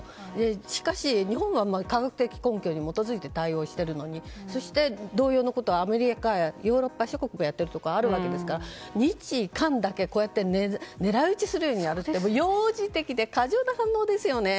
しかし、日本は科学的根拠に基づいて対応しているのに同様のことはアメリカやヨーロッパ諸国がやっているとかあっていますから日韓だけこうやって狙い撃ちするようにやるって幼児的で過剰な反応ですよね。